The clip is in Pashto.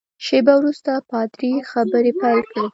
شېبه وروسته پادري خبرې پیل کړې.